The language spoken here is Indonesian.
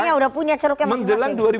sudah punya ceruknya mas masyid